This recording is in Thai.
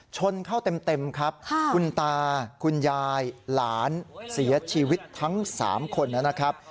ชนเข้าเต็มครับคุณตาคุณยายหลานเสียชีวิตทั้ง๓คนนะครับ